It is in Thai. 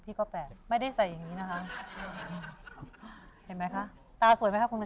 พี่ก็แปลกไม่ได้ใส่อย่างนี้นะคะ